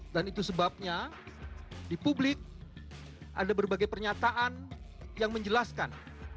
dan itu sebabnya di publik ada berbagai pernyataan yang menjelaskan